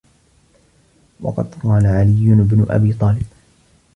وَقَدْ قَالَ عَلِيُّ بْنُ أَبِي طَالِبٍ